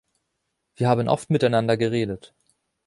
Wir haben oft miteinander geredet.